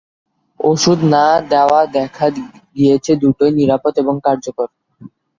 ওষুধ না-দেওয়া দেখা গিয়েছে দুটোই: নিরাপদ এবং কার্যকর।